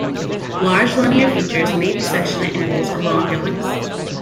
Large linear features may be sectioned at intervals along their lengths.